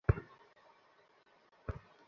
টাকা তুলতে টাকা বিলাতে হয়।